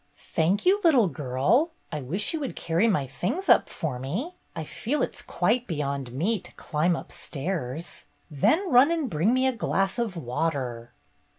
"Thank you, little girl. I wish you would carry my things up for me. I feel it 's quite beyond me to climb upstairs. Then run and bring me a glass of water."